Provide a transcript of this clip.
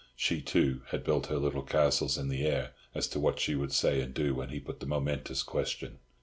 She, too, had built her little castles in the air as to what she would say and do when he put the momentous question.